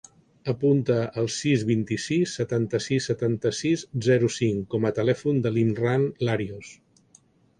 Apunta el sis, vint-i-sis, setanta-sis, setanta-sis, zero, cinc com a telèfon de l'Imran Larios.